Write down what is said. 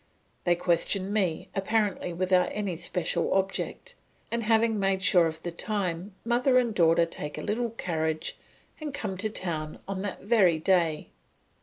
They question me, apparently without any special object, and having made sure of the time, mother and daughter take a little carriage and come to town on that very day.